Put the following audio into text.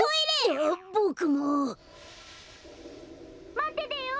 ・まっててよ。